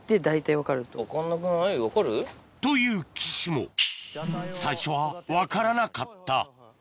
分かる？という岸も最初は分からなかったえっ！